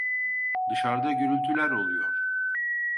Dışarda gürültüler oluyor.